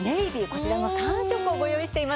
こちらの３色をご用意しています。